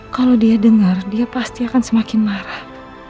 kalau dia dengar dia pasti akan semakin marah